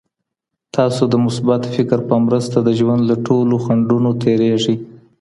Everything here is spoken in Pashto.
تاسو د مثبت فکر په مرسته د ژوند له ټولو خنډونو تیریږئ.